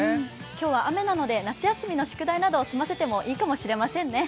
今日は雨なので夏休みの宿題などを済ませてもいいですよね。